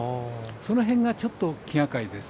その辺が、ちょっと気がかりです。